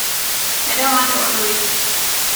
I don't want to overreach.